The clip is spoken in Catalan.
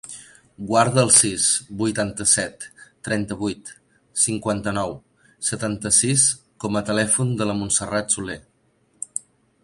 Guarda el sis, vuitanta-set, trenta-vuit, cinquanta-nou, setanta-sis com a telèfon de la Montserrat Soler.